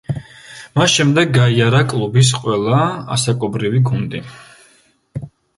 მას შემდეგ გაიარა კლუბის ყველა ასაკობრივი გუნდი.